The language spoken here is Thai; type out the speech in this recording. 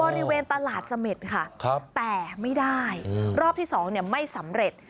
บริเวณตลาดสเมษค่ะแต่ไม่ได้รอบที่๒ไม่สำเร็จ